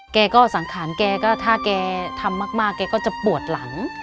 แกก็สังขารแกก็ถ้าแกทำมากแกก็จะปวดหลัง